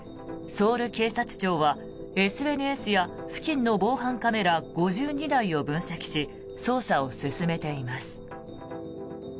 ソウル警察庁は、ＳＮＳや付近の防犯カメラ５２台を分析し、捜査を進めています。